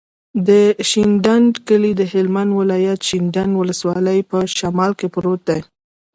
د شینډنډ کلی د هلمند ولایت، شینډنډ ولسوالي په شمال کې پروت دی.